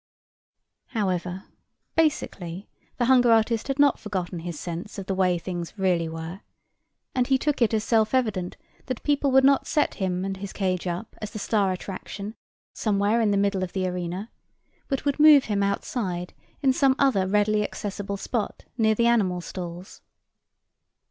However, basically the hunger artist had not forgotten his sense of the way things really were, and he took it as self evident that people would not set him and his cage up as the star attraction somewhere in the middle of the arena, but would move him outside in some other readily accessible spot near the animal stalls.